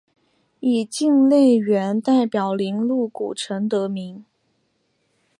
以境内元代集宁路古城得名。